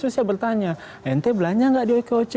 terus saya bertanya ente belanja nggak di okoc